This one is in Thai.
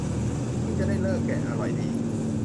เพิ่งจะได้ฤกษ์แกะ อร่อยดี